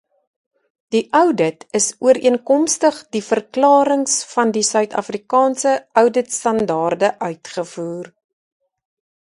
Die oudit is ooreenkomstig die Verklarings van die Suid-Afrikaanse Ouditstandaarde uitgevoer.